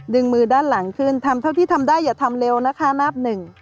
ดึงมือด้านหลังขึ้นทำเท่าที่ทำได้อย่าทำเร็วนะคะนับหนึ่ง